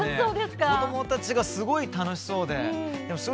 子どもたちがとても楽しそうです。